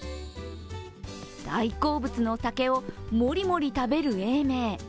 大好物の竹をもりもり食べる永明。